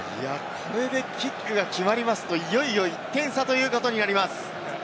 これでキックが決まるといよいよ１点差ということになります。